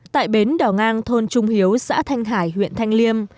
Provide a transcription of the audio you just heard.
tại bến đỏ ngang thôn trung hiếu xã thanh hải huyện thanh liêm